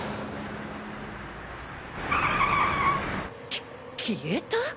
き消えた？